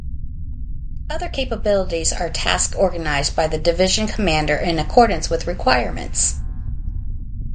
Other capabilities are task organized by the division commander in accordance with requirements.